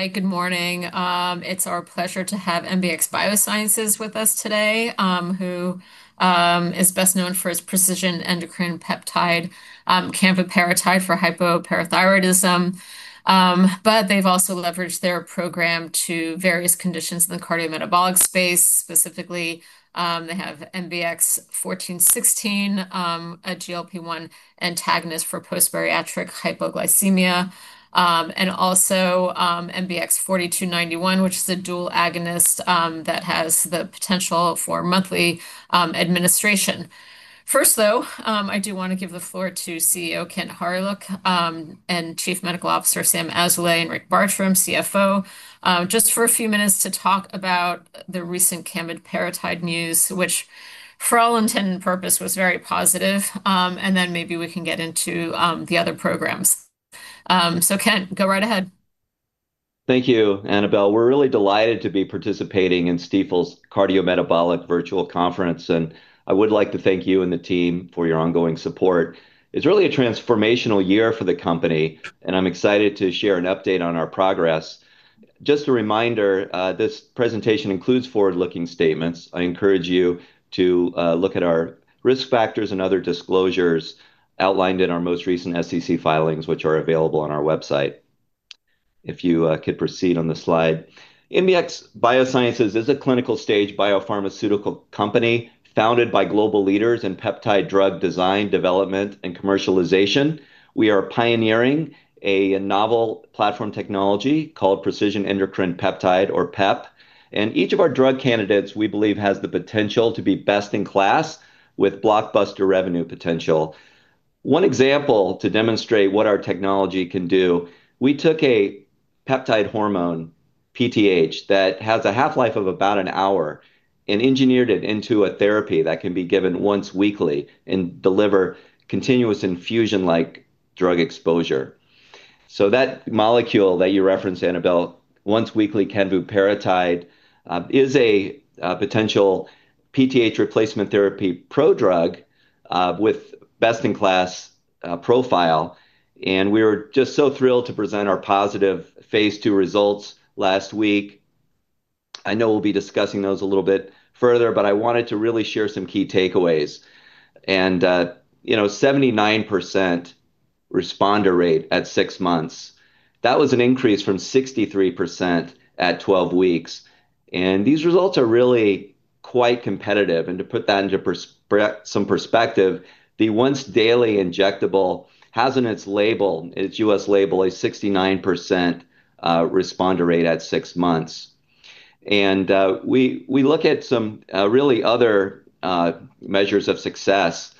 Hi, good morning. It's our pleasure to have MBX Biosciences with us today, who is best known for its Precision Endocrine Peptide Canvuparatide for hypoparathyroidism, but they've also leveraged their program to various conditions in the cardiometabolic space. Specifically, they have MBX 1416, a GLP-1 antagonist for post-bariatric hypoglycemia, and also MBX 4291, which is a dual agonist that has the potential for monthly administration. First, though, I do want to give the floor to CEO Kent Hawryluk and Chief Medical Officer Salomon Azoulay and Rick Bartram, CFO, just for a few minutes to talk about the recent Kaniparutide news, which for all intent and purpose was very positive. Maybe we can get into the other programs. Ken, go right ahead. Thank you Annabelle. We're really delighted to be participating in Stifel's CardioMetabolic Virtual Conference and I would like to thank you and the team for your ongoing support. It's really a transformational year for the company and I'm excited to share an update on our progress. Just a reminder, this presentation includes forward looking statements. I encourage you to look at our risk factors and other disclosures outlined in our most recent SEC filings, which are available on our website. If you could proceed on the slide. MBX Biosciences is a clinical-stage biopharmaceutical company founded by global leaders in peptide drug design, development, and commercialization. We are pioneering a novel platform technology called Precision Endocrine Peptide, or PEP, and each of our drug candidates we believe has the potential to be best in class with blockbuster revenue potential. One example, to demonstrate what our technology can do, we took a peptide hormone, PTH, that has a half-life of about an hour and engineered it into a therapy that can be given once weekly and deliver continuous infusion-like drug exposure. That molecule that you referenced, Annabelle, once-weekly Canvuparatide, is a potential PTH replacement therapy prodrug with best-in-class profile. We were just so thrilled to present our positive phase II results last week. I know we'll be discussing those a little bit further, but I wanted to really share some key takeaways. You know, 79% responder rate at six months, that was an increase from 63% at 12 weeks. These results are really quite competitive. To put that into some perspective, the once-daily injectable has on its U.S. label a 69% responder rate at six months and we look at some really other measures of success.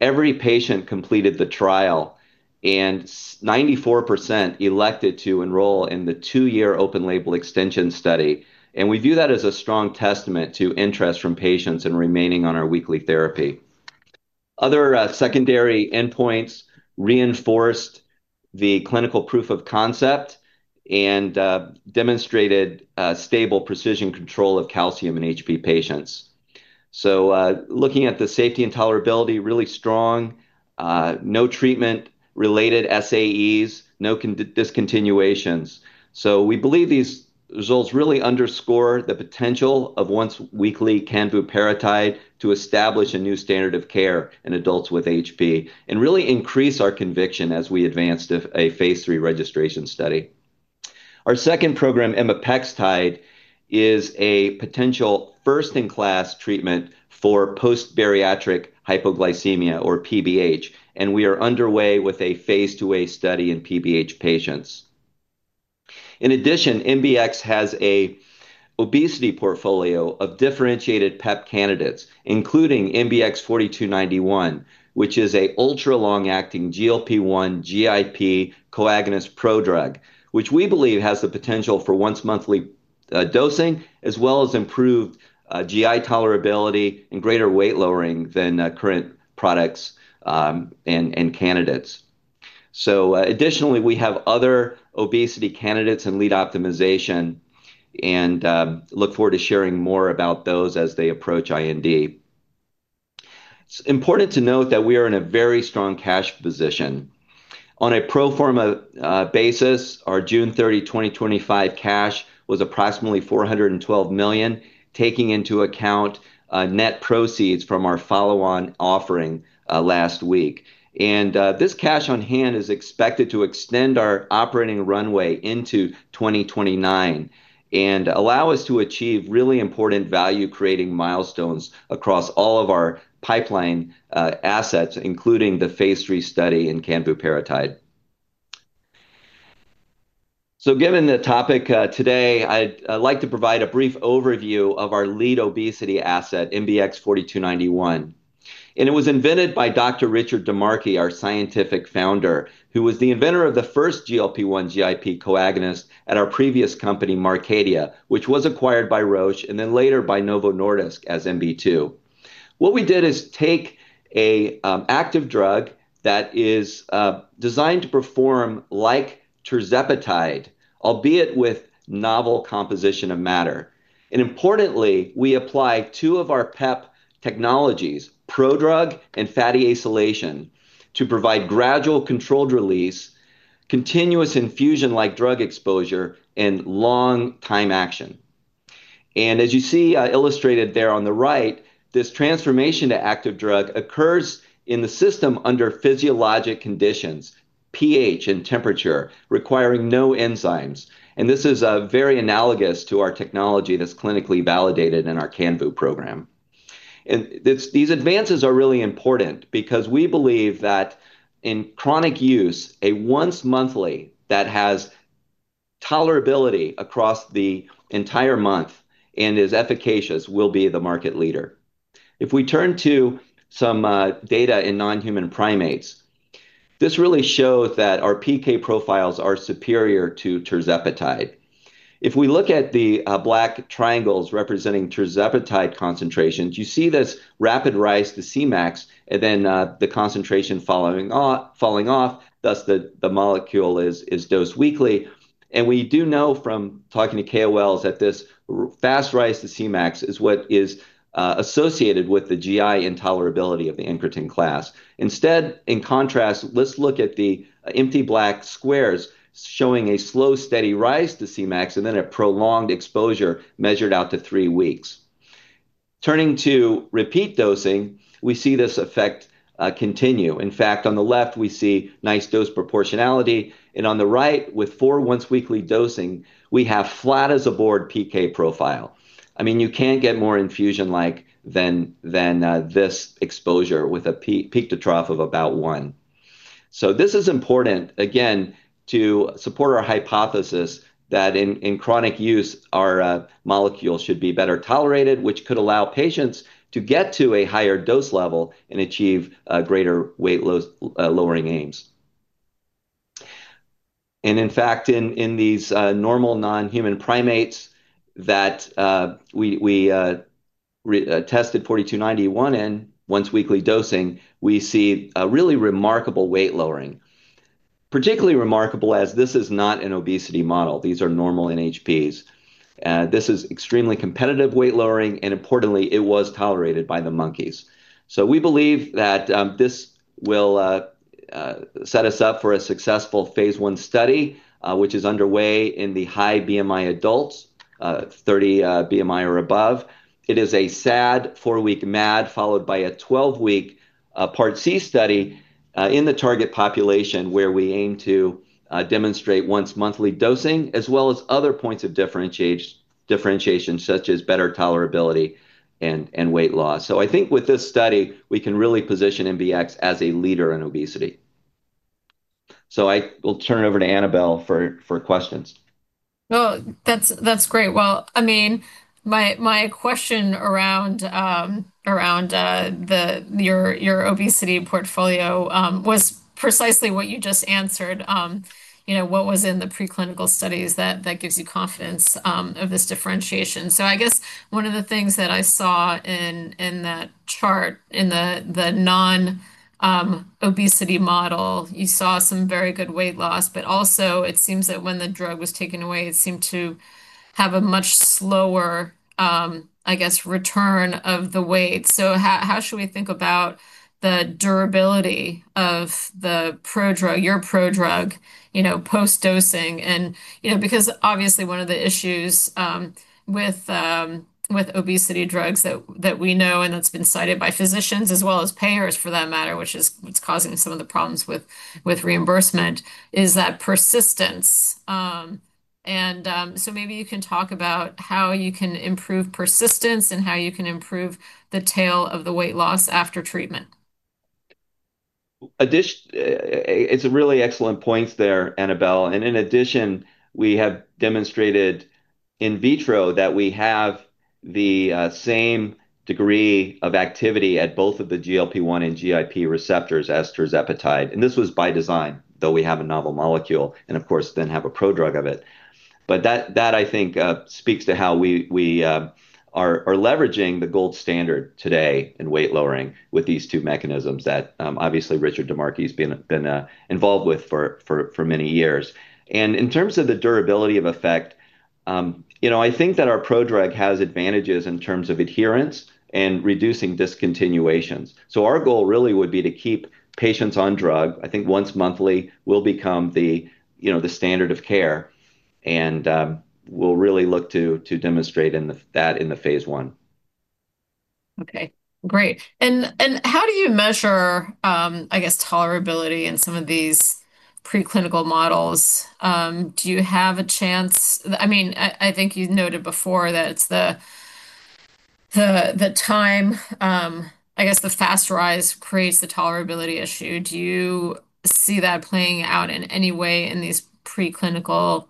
Every patient completed the trial and 94% elected to enroll in the two-year open-label extension study and we view that as a strong testament to interest from patients in remaining on our weekly therapy. Other secondary endpoints reinforced the clinical proof of concept and demonstrated stable precision control of calcium in HP patients. Looking at the safety and tolerability, really strong, no treatment-related SAEs, no discontinuations. We believe these results really underscore the potential of once-weekly Canvuparatide to establish a new standard of care in adults with HP and really increase our conviction as we advance to a Phase III registration study. Our second program, MBX 1416, is a potential first-in-class treatment for post-bariatric hypoglycemia or PBH, and we are underway with a Phase II-A study in PBH patients. In addition, MBX Biosciences has an obesity portfolio of differentiated PEP candidates, including MBX 4291, which is an ultra-long-acting GLP-1/GIP co-agonist prodrug, which we believe has the potential for once-monthly dosing as well as improved GI tolerability and greater weight lowering than current products and candidates. Additionally, we have other obesity candidates in lead optimization and look forward to sharing more about those as they approach IND. It's important to note that we are in a very strong cash position on a pro forma basis. Our June 30, 2025, cash was approximately $412 million, taking into account net proceeds from our follow-on offering last week, and this cash on hand is expected to extend our operating runway into 2029 and allow us to achieve really important value-creating milestones across all of our pipeline assets, including the phase III registration study in Canvuparatide. Given the topic today, I'd like to provide a brief overview of our lead obesity asset, MBX 4291, and it was invented by Dr. Richard DiMarchi, our scientific founder, who was the inventor of the first GLP-1/GIP co-agonist at our previous company, Marcadia, which was acquired by Roche and then later by Novo Nordisk as MB2. What we did is take an active drug that is designed to perform like tirzepatide, albeit with novel composition of matter. Importantly, we apply two of our PEP technologies, prodrug and fatty acylation, to provide gradual controlled release, continuous infusion-like drug exposure, and long time action. As you see illustrated there on the right, this transformation to active drug occurs in the system under physiologic conditions, pH and temperature, requiring no enzymes. This is very analogous to our technology that's clinically validated in our Canvuparatide program. These advances are really important because we believe that in chronic use, a once-monthly that has tolerability across the entire month and is efficacious will be the market leader. If we turn to some data in non-human primates, this really shows that our pharmacokinetic profiles are superior to tirzepatide. If we look at the black triangles representing tirzepatide concentrations, you see this rapid rise to Cmax and then the concentration falling off. Thus, the molecule is dosed weekly. We do know from talking to KOLs that this fast rise to Cmax is what is associated with the GI intolerability of the incretin class. Instead, in contrast, let's look at the empty black squares showing a slow steady rise to Cmax and then a prolonged exposure measured out to three weeks. Turning to repeat dosing, we see this effect continue. In fact, on the left we see nice dose proportionality, and on the right with four once-weekly dosing, we have flat as a board PK profile. I mean you can't get more infusion-like than this exposure with a peak to trough of about one. This is important again to support our hypothesis that in chronic use our molecules should be better tolerated, which could allow patients to get to a higher dose level and achieve greater weight lowering aims. In fact, in these normal non-human primates that we tested MBX 4291 in once-weekly dosing, we see a really remarkable weight lowering. Particularly remarkable as this is not an obesity model. These are normal NHPs. This is extremely competitive weight lowering, and importantly, it was tolerated by the monkeys. We believe that this will set us up for a successful phase I study, which is underway in the high BMI adults, 30 BMI or above. It is a SAD four-week MAD followed by a 12-week Part C study in the target population where we aim to demonstrate once-monthly dosing as well as other points of differentiation such as better tolerability and weight loss. With this study, we can really position MBX Biosciences as a leader in obesity. I will turn it over to Annabel for questions. That's great. My question around your obesity portfolio was precisely what you just answered. What was in the preclinical studies that gives you confidence of this differentiation? I guess one of the things that I saw in that chart, in the non-obesity model you saw some very good weight loss. It seems that when the drug was taken away it seemed to have a much slower, I guess, return of the weight. How should we think about the durability of the prodrug, your prodrug post dosing? Obviously one of the issues with obesity drugs that we know and that's been cited by physicians as well as payers for that matter, which is what's causing some of the problems with reimbursement, is that persistence. Maybe you can talk about how you can improve persistence and how you can improve the tail of the weight loss after treatment. It's a really excellent point there, Annabel. In addition, we have demonstrated in vitro that we have the same degree of activity at both of the GLP-1 and GIP receptors, as tirzepatide. This was by design, though we have a novel molecule and of course then have a prodrug of it. I think that speaks to how we are leveraging the gold standard today in weight lowering with these two mechanisms that obviously Dr. Richard DiMarchi has been involved with for many years. In terms of the durability of effect, I think that our prodrug has advantages in terms of adherence and reducing discontinuations. Our goal really would be to keep patients on drug. I think once monthly will become the standard of care, and we'll really look to demonstrate that in the phase I Okay, great. How do you measure, I guess, tolerability in some of these preclinical models? Do you have a chance? I mean, I think you noted before that it's the time, I guess the fast rise creates the tolerability issue. Do you see that playing out in any way in these preclinical non-primate models?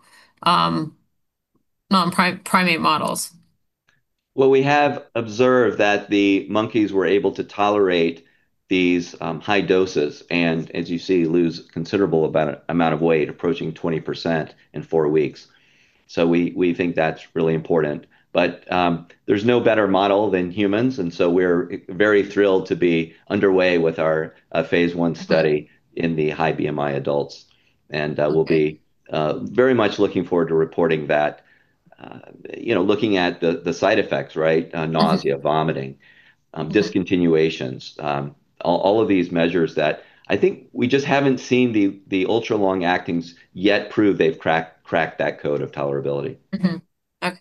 We have observed that the monkeys were able to tolerate these high doses, and as you see, lose considerable amount of weight, approaching 20% in four weeks. We think that's really important. There's no better model than humans. We are very thrilled to be underway with our phase I study in the high BMI adults and will be very much looking forward to reporting that, looking at the side effects, right? Nausea, vomiting, discontinuations, all of these measures that I think we just haven't seen the ultra-long actings yet prove they've cracked that code of tolerability. Okay,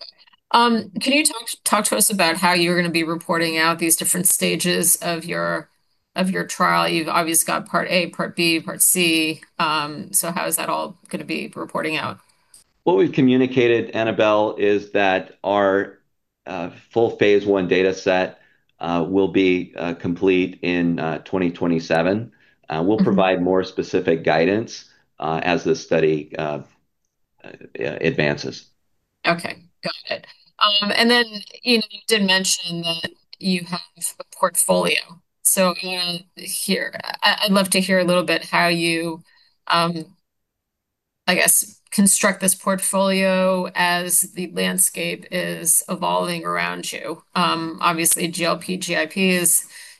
can you talk to us about how you're going to be reporting out these different stages of your trial? You've obviously got part A, part B, part C. How is that all? Going to be reporting out what we've communicated. Annabel, is that our full phase I data set will be complete in 2027, and we'll provide more specific guidance as the study advances. Okay, got it. You did mention that you have a portfolio. Here I'd love to hear a little bit how you, I guess, construct this portfolio as the landscape is evolving around you. Obviously, GLP-1/GIP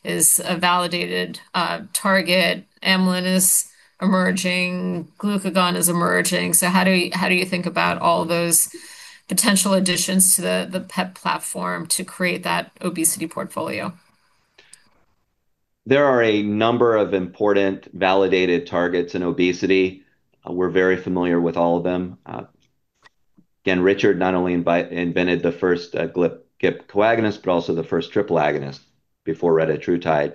is a validated target. Amylin is emerging. Glucagon is emerging. How do you think about all those potential additions to the PEP platform to create that obesity portfolio? There are a number of important validated targets in obesity. We're very familiar with all of them. Again, Richard not only invented the first GLP-1/GIP co-agonist, but also the first triple agonist before retatrutide.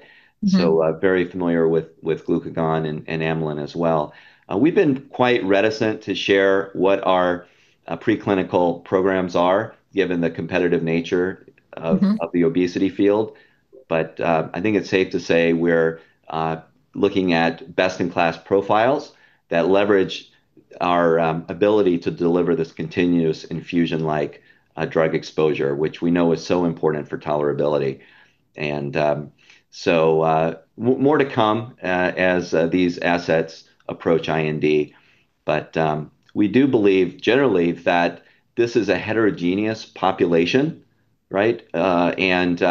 Very familiar with glucagon and amylin as well. We've been quite reticent to share what our preclinical programs are, given the competitive nature of the obesity field. I think it's safe to say we're looking at best-in-class profiles that leverage our ability to deliver this continuous infusion-like drug exposure, which we know is so important for tolerability, and more to come as these assets approach IND. We do believe generally that this is a heterogeneous population and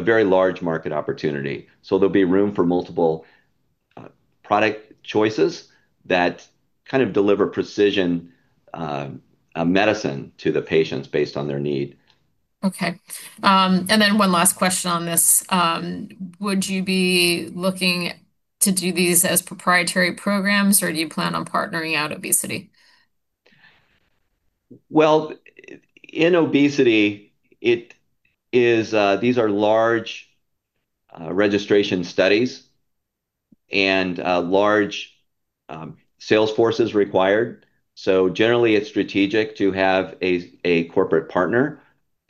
a very large market opportunity, so there'll be room for multiple product choices that kind of deliver precision medicine to the patients based on their need. Okay, and then one last question on this. Would you be looking to do these as proprietary programs, or do you plan on partnering out obesity? In obesity it is. These are large registration studies and large sales forces required. Generally, it's strategic to have a corporate partner,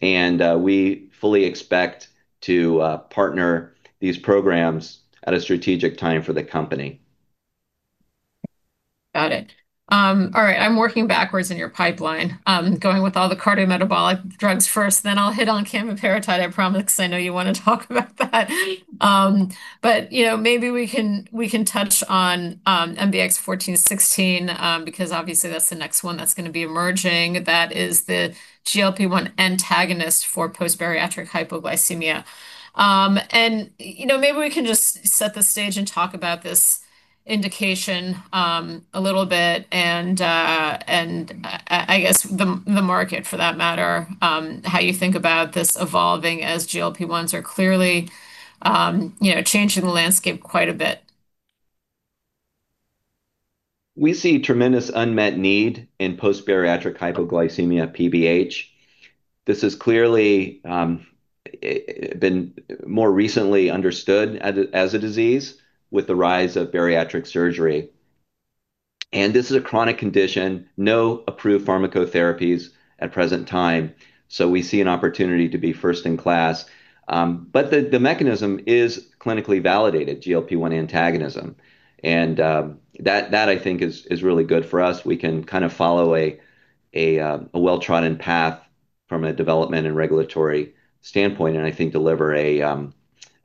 and we fully expect to partner these programs at a strategic time for the company. Got it. All right. I'm working backwards in your pipeline, going with all the cardiometabolic drugs first. I'll hit on Canvuparatide, I promise, because I know you want to talk about that. Maybe we can touch on MBX 1416, because obviously that's the next one that's going to be emerging. That is the GLP-1 antagonist for post-bariatric hypoglycemia. Maybe we can just set the stage and talk about this indication a little bit, and I guess the market, for that matter, how you think about this evolving as GLP-1s are clearly changing the landscape quite a bit. We see tremendous unmet need in post-bariatric hypoglycemia, PBH. This has clearly been more recently understood as a disease with the rise of bariatric surgery. This is a chronic condition. No approved pharmacotherapies at present time. We see an opportunity to be first in class. The mechanism is clinically validated GLP-1 antagonism. That, I think, is really good for us. We can kind of follow a well-trodden path from a development and regulatory standpoint, and I think deliver a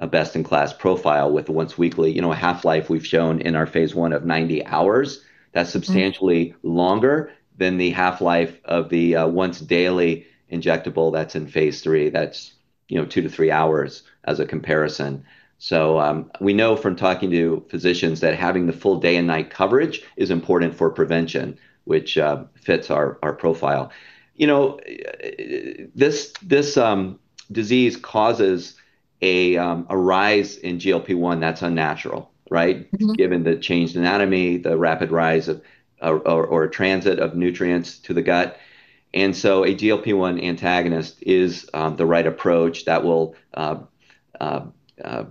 best-in-class profile. With the once-weekly, you know, half-life we've shown in our phase I of 90 hours, that's substantially longer than the half-life of the once-daily injectable that's in phase III. That's, you know, 2-3 hours as a comparison. We know from talking to physicians that having the full day and night coverage is important for prevention, which fits our profile. This disease causes a rise in GLP-1 that's unnatural, right? Given the changed anatomy, the rapid rise or transit of nutrients to the gut. A GLP-1 antagonist is the right approach that will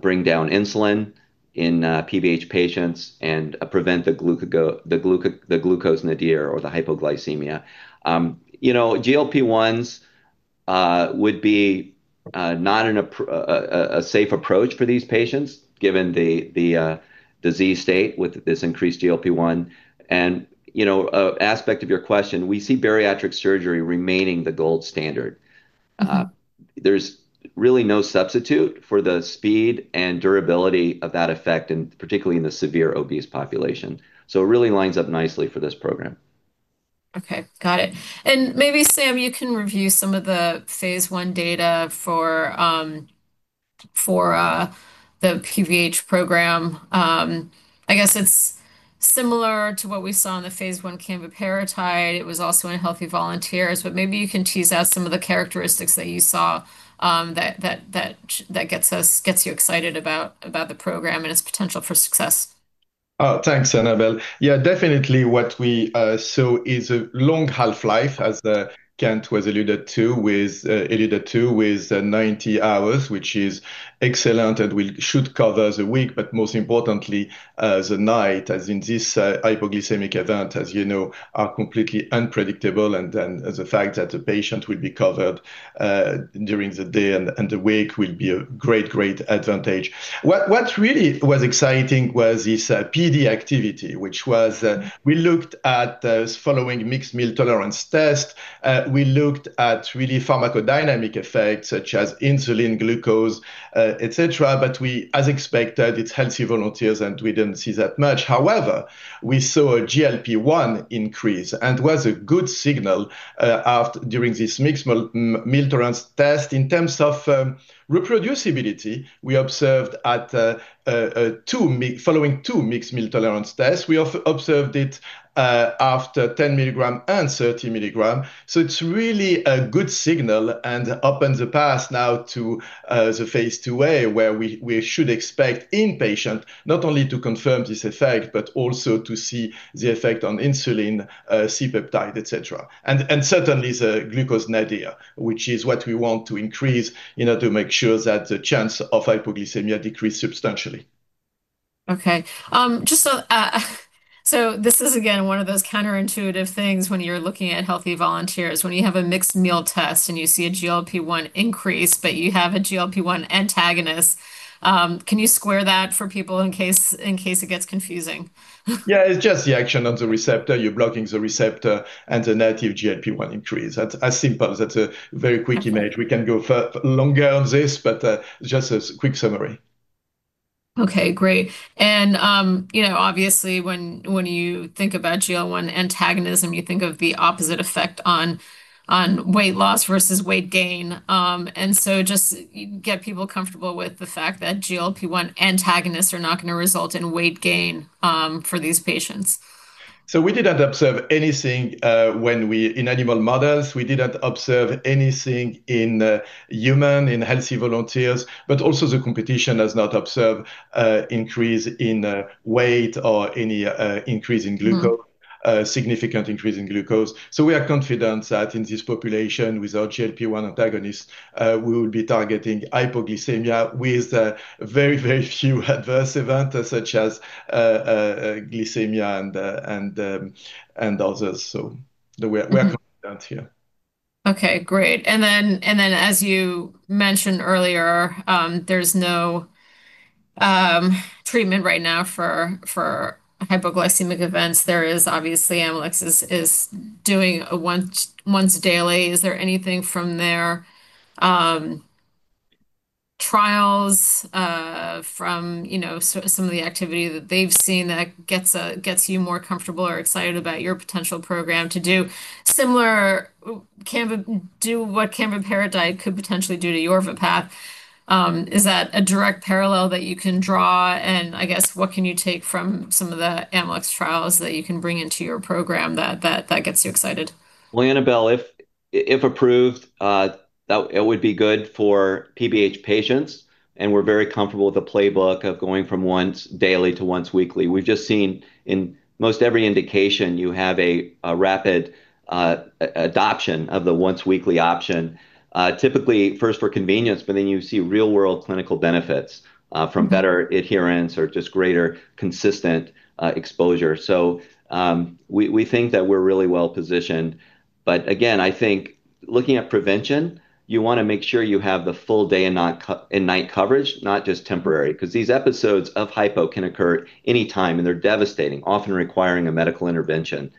bring down insulin in PBH patients and prevent the glucose in the deer or the hypoglycemia. GLP-1s would be not a safe approach for these patients given the disease state. With this increased GLP-1 and, you know, aspect of your question, we see bariatric surgery remaining the gold standard. There's really no substitute for the speed and durability of that effect, particularly in the severe obese population. It really lines up nicely for this program. Okay, got it. Maybe Sam, you can review some of the phase I data for the PBH program. I guess it's similar to what we saw in the phase I Canvuparatide. It was also in healthy volunteers. Maybe you can tease out some of the characteristics that you saw that gets you excited about the program and its potential for success. Thanks, Annabel. Yeah, definitely what we saw is a long half-life as Kent was alluding to with 90 hours, which is excellent and should cover the week, but most importantly the night, as in this hypoglycemic event, as you know, are completely unpredictable. The fact that the patient will be covered during the day and the week will be a great, great advantage. What really was exciting was this PD activity, which was we looked at those following mixed meal tolerance test. We looked at really pharmacodynamic effects such as insulin, glucose, et cetera, but we, as expected, it's healthy volunteers and we didn't see that much. However, we saw a GLP-1 increase and it was a good signal during this mixed meal tolerance test. In terms of reproducibility, we observed it following two mixed meal tolerance tests, we observed it after 10 mg and 30 mgs. So it's really a good signal and opens the path now to the phase II-A, where we should expect in patient not only to confirm this effect, but also to see the effect on insulin, C-peptide, et cetera, and certainly the glucose nadir, which is what we want to increase in order to make sure that the chance of hypoglycemia decreases substantially. Okay, this is again one of those counterintuitive things when you're looking at healthy volunteers. When you have a mixed meal test and you see a GLP-1 increase, but you have a GLP-1 antagonist, can you square that for people in case it gets confusing? Yeah, it's just the action on the receptor. You're blocking the receptor. The negative GLP-1 increase, that's as simple. That's a very quick image. We can go for longer on this, but just a quick summary. Okay, great. Obviously, when you think about GLP-1 antagonism, you think of the opposite effect on weight loss versus weight gain. Just get people comfortable with the fact that GLP-1 antagonists are not going to result in weight gain for these patients. We did not observe anything in animal models, we did not observe anything in human in healthy volunteers. Also, the competition has not observed increase in weight or any increase in glucose, significant increase in glucose. We are confident that in this population, with our GLP-1 antagonist, we will be targeting hypoglycemia with very, very few adverse events, such as glycemia and others. We are confident here. Okay, great. As you mentioned earlier, there's no treatment right now for hypoglycemic events. There is, obviously. Amylyx is doing once daily. Is there anything from their trials, from some of the activity that they've seen, that gets you more comfortable or excited about your potential program to do similar? What kind of paradigm could potentially do to Yorvipath? Is that a direct parallel that you can draw, and I guess, what can you take from some of the Amylyx trials that you can bring into your program that gets you excited? Annabelle, if approved, it would be good for PBH patients. We're very comfortable with the playbook of going from once daily to once weekly. We've just seen in most every indication, you have a rapid adoption of the once weekly option, typically first for convenience, but then you see real world clinical benefits from better adherence or just greater consistent exposure. We think that we're really well positioned. Again, I think looking at prevention, you want to make sure you have the full day and night coverage, not just temporary, because these episodes of hypo can occur anytime and they're devastating, often requiring a medical intervention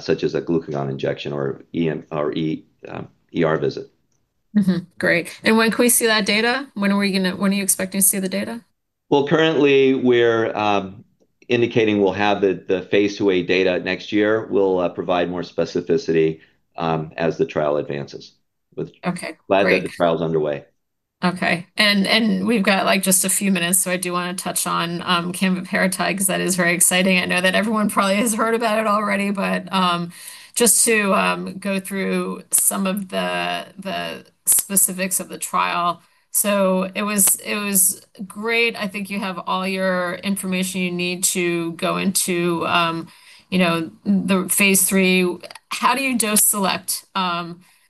such as a glucagon injection or EM or ER visit. Great. When can we see that data? When are you expecting to see the data? Currently we're indicating we'll have the phase II-A data next year. We'll provide more specificity as the trial advances. Glad that the trial's underway. Okay. We have just a few minutes. I do want to touch on Canvuparatide because that is very exciting. I know that everyone probably has heard about it already, but just to go through some of the specifics of the trial. It was great. I think you have all your information you need to go into the phase III. How do you dose select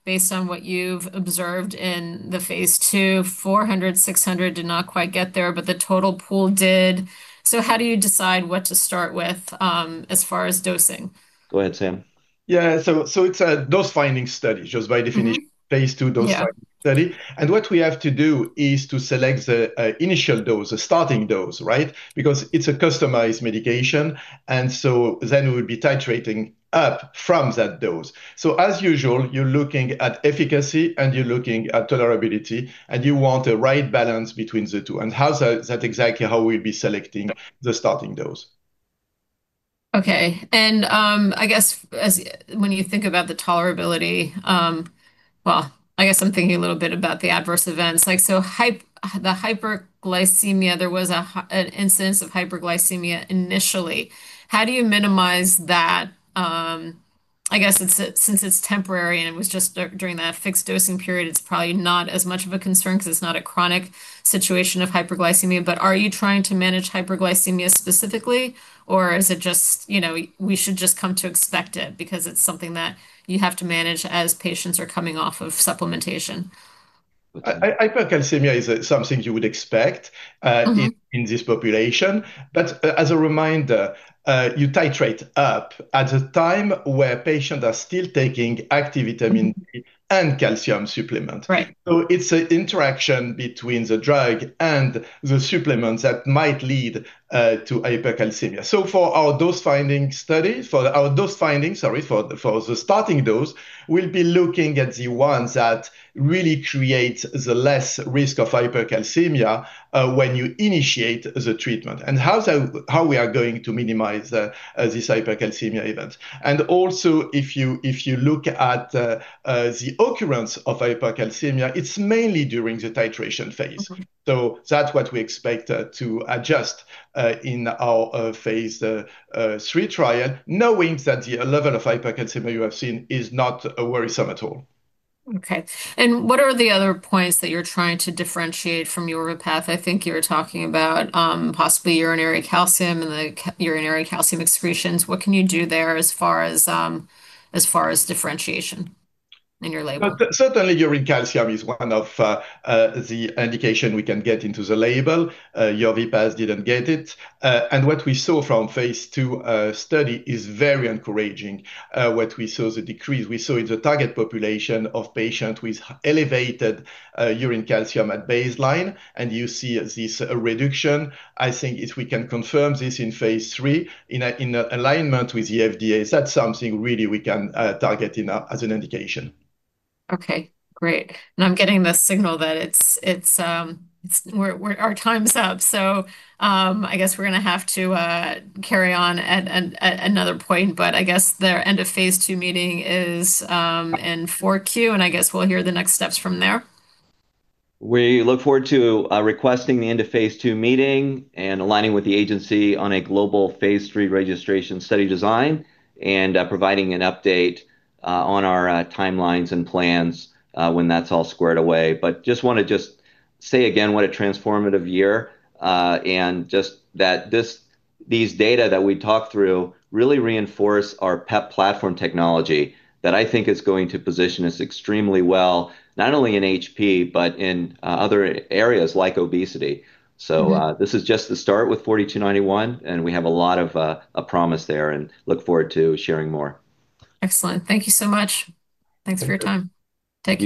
based on what you've observed in the phase II? 400, 600 did not quite get there, but the total pool did. How do you decide what to start with as far as dosing? Go ahead, Sam. Yeah, so it's a dose finding study, just by definition, phase II dose study. What we have to do is to select the initial dose, a starting dose, right, because it's a customized medication. We'll be titrating up from that dose. As usual, you're looking at efficacy and you're looking at tolerability, and you want the right balance between the two, and that's exactly how we'd be selecting the starting dose. Okay. As you think about the tolerability, I'm thinking a little bit about the adverse events, like the hyperglycemia. There was an incidence of hyperglycemia initially. How do you minimize that? Since it's temporary and it was just during that fixed dosing period, it's probably not as much of a concern because it's not a chronic situation of hyperglycemia. Are you trying to manage hyperglycemia specifically, or is it just, you know, we should just come to expect it? It's something that you have to manage as patients are coming off of supplementation. Hyperglycemia is something you would expect in this population. As a reminder, you titrate up at a time where patients are still taking active vitamin and calcium supplement. It is an interaction between the drug and the supplements that might lead to hypercalcemia. For our dose finding study, for our dose findings. For the starting dose, we'll be looking at the ones that really create the less risk of hypercalcemia when you initiate the treatment and how we are going to minimize this hypercalcemia event. If you look at the occurrence of hypercalcemia, it's mainly during the titration phase. That is what we expect to adjust in our phase III trial, knowing that the level of hypocalcemia you have seen is not worrisome at all. Okay, what are the other points that you're trying to differentiate from your path? I think you're talking about possibly urinary calcium and the urinary calcium excretions. What can you do there as far as differentiation in your label? Certainly urine calcium is one of the indications we can get into the label. Your VPAs didn't get it. What we saw from phase II study is very encouraging. What we saw, the decrease we saw in the target population of patients with elevated urine calcium at baseline, and you see this reduction. I think if we can confirm this in phase III in alignment with the FDA, that's something really we can target as an indication. Okay, great. I'm getting the signal that our time's up. I guess we're going to have to carry on at another point. I guess the end of phase II meeting is in 4Q, and I guess we'll hear the next steps from there. We look forward to requesting the end of phase II meeting and aligning with the agency on a global phase III registration study design and providing an update on our timelines and plans when that's all squared away. What a transformative year, and these data that we talked through really reinforce our PEP platform technology that I think is going to position us extremely well, not only in hypoparathyroidism, but in other areas like obesity. This is just the start with MBX 4291, and we have a lot of promise there and look forward to sharing more. Excellent. Thank you so much. Thanks for your time. Take care.